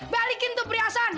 balikin tuh perhiasan